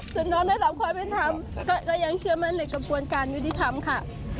น้องได้รับความเป็นธรรมก็ยังเชื่อมั่นในกระบวนการยุติธรรมค่ะ